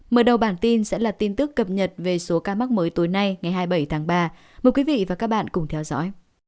mở đầu bản tin sẽ là tin tức cập nhật về số ca mắc mới tối nay ngày hai mươi bảy tháng ba mời quý vị và các bạn cùng theo dõi